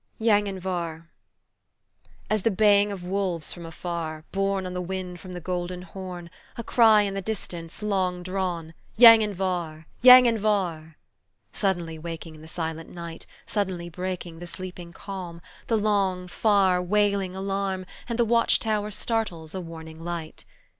YANGHIN VAR* AS the baying of wolves from afar, Borne on the wind from the Golden Horn A cry in the distance, long drawn, "Yanghin var! yanghin var!" Suddenly waking the silent night, Suddenly breaking the sleeping calm, The long, far, wailing alarm, And the watch tower startles a warning light.